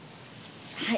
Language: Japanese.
はい。